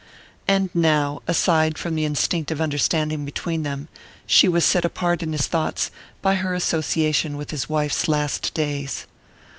And now, aside from the instinctive understanding between them, she was set apart in his thoughts by her association with his wife's last days.